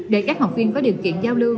để các học viên có điều kiện giao lưu